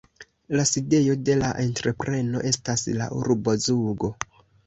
La sidejo de la entrepreno estas la urbo Zugo.